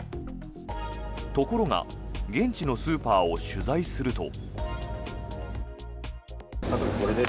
ところが、現地のスーパーを取材すると。